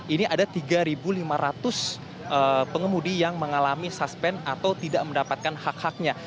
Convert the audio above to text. ini ada tiga lima ratus pengemudi yang mengalami suspend atau tidak mendapatkan hak haknya